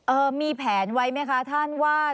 มีแผนไว้ไหมคะท่านว่า